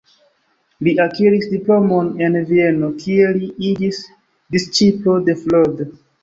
Li akiris diplomon en Vieno, kie li iĝis disĉiplo de Freud.